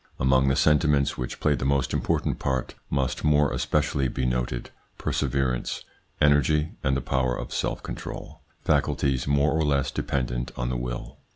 Among the sentiments which play the most important part must more especially be noted perseverance, energy, and the power of self control, faculties more or less dependent on the will.